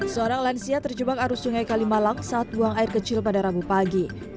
seorang lansia terjebak arus sungai kalimalang saat buang air kecil pada rabu pagi